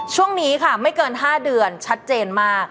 ช่วงนี้ค่ะไม่เกิน๕เดือนชัดเจนมาก